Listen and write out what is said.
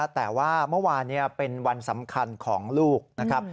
แต่ว่าเมื่อวานเป็นวันสำคัญของลูกนะครับ